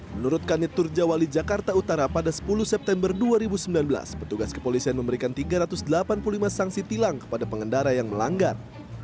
menurut kanit turjawali jakarta utara pada sepuluh september dua ribu sembilan belas petugas kepolisian memberikan tiga ratus delapan puluh lima sanksi tilang kepada pengendara yang melanggar